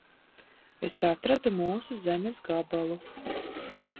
Es atradu mūsu zemes gabalu.